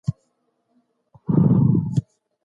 دوی وویل چې موږ سوله غواړو.